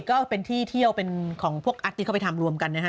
ก็เป็นที่เที่ยวเป็นของพวกอาร์ตที่เขาไปทำรวมกันนะฮะ